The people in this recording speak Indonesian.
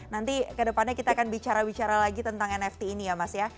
nanti kedepannya kita akan bicara bicara lagi tentang nft ini ya mas ya